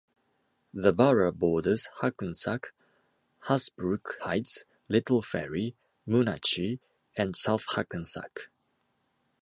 The borough borders Hackensack, Hasbrouck Heights, Little Ferry, Moonachie and South Hackensack.